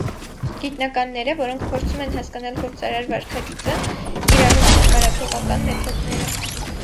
Գիտնականները, որոնք փորձում են հասկանալ գործարար վարքագիծը, կիրառում են նկարագրողական մեթոդները։